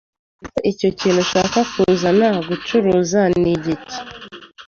Ese icyo kintu ushaka kuzana gucuruza nigiki